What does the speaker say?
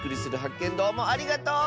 けんどうもありがとう！